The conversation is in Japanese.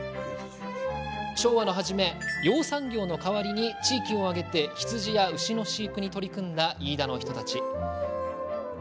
昭和の初め、養蚕業の代わりに地域を挙げて羊や牛の飼育に取り組んだ飯田の人たち。